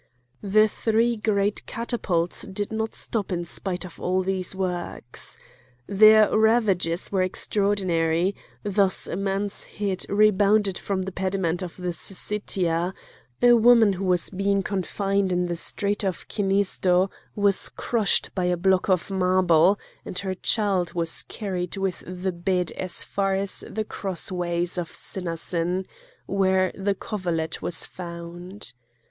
The three great catapults did not stop in spite of all these works. Their ravages were extraordinary: thus a man's head rebounded from the pediment of the Syssitia; a woman who was being confined in the street of Kinisdo was crushed by a block of marble, and her child was carried with the bed as far as the crossways of Cinasyn, where the coverlet was found.